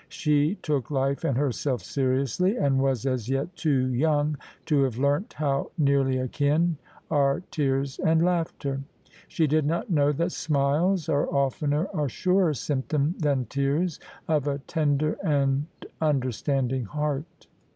She took life and herself seriously, and was as yet too young to have learnt how nearly akin are tears and laughter. She did not know that smiles are oftener a surer symptom than tears of a tender and imderstanding heart.